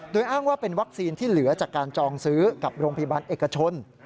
โดยอ้างว่าเป็นวัคซีนที่เหลือจากการจองซื้อกับโรงพยาบาลเอกชน